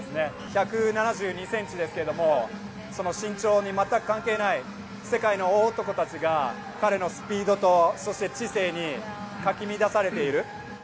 １７２センチですけども、その身長にまったく関係ない、世界の大男たちが、彼のスピードとそして知性に、かき乱されている。